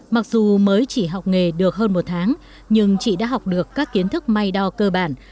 mặc dù mới chỉ học nghề được hơn một tháng nhưng chị đã học được các kiến thức may đo cơ bản